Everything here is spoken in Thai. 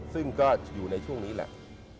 ซึ่งก็อยู่ในช่วงนี้แหละ